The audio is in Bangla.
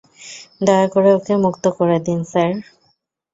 দয়া করে, ওকে মুক্ত করে দিন, স্যার।